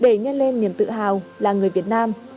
để nhân lên niềm tự hào là người việt nam